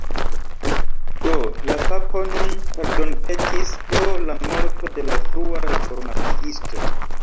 Do, la papo nun pardonpetis pro la morto de la frua reformaciisto.